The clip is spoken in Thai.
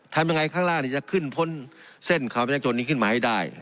ทำยังไงข้างล่างจะขึ้นพ้นเส้นเขาประชาชนนี้ขึ้นมาให้ได้